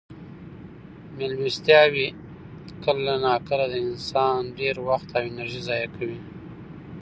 مېلمستیاوې کله ناکله د انسان ډېر وخت او انرژي ضایع کوي.